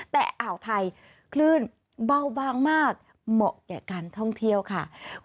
แต่อ่าวไทยคลื่นเบาบางมากเหมาะแก่การท่องเที่ยวค่ะ